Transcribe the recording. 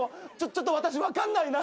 ちょっと私分かんないな。